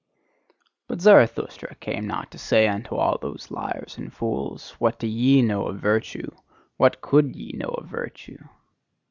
But Zarathustra came not to say unto all those liars and fools: "What do YE know of virtue! What COULD ye know of virtue!"